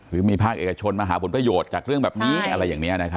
หรือมีภาคเอกชนมาหาผลประโยชน์จากเรื่องแบบนี้อะไรอย่างนี้